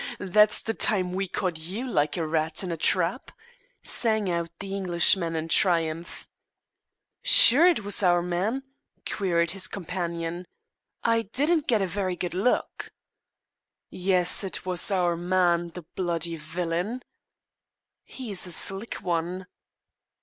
"Ha! ha! That's the time we caught you like a rat in a trap!" sang out the Englishman in triumph. "Sure it was our man?" queried his companion. "I didn't get a very good look." "Yes, it was our man, the bloody villain!" "He's a slick one!"